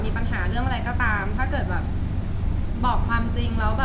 ทำค่ะทำงานเป็นคนชอบทำงานค่ะ